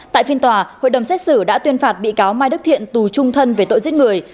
tại phiên tòa hội đồng xét xử đã tuyên phạt bị cáo mai đức thiện tù trung thân về tội giết người